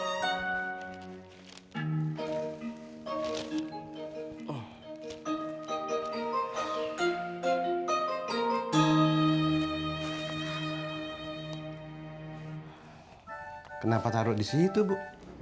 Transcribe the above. gimana sih citra sama si nek lho